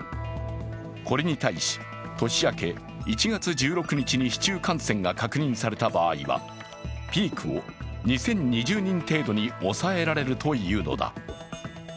これに対し年明け、１月１６日に市中感染が確認された場合はピークを２０２０人程度に抑えられるというのだ。